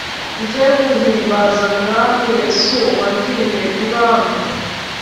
Njye nguhimbaza mwami yesu wangiriye ibambe